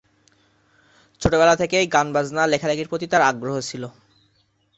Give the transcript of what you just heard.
ছোট বেলা থেকেই গান বাজনা লেখালেখির প্রতি তার আগ্রহ ছিল।